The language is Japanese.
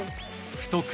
太く